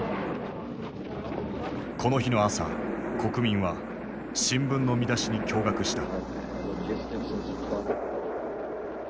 この日の朝国民は新聞の見出しに驚がくした。